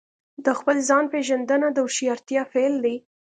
د خپل ځان پېژندنه د هوښیارتیا پیل دی.